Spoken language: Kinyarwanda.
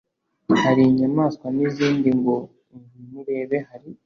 hari inyamaswa n'izindi ngo ngwino urebe hari